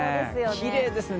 きれいですね。